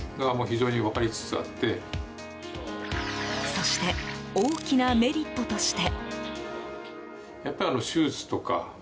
そして大きなメリットとして。